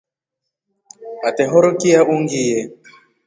Atehorokya ungiiye.